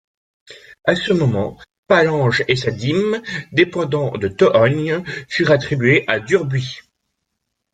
À ce moment, Palange et sa dîme, dépendant de Tohogne, furent attribuées à Durbuy.